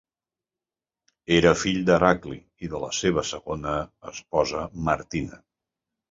Era fill d'Heracli i de la seva segona esposa Martina.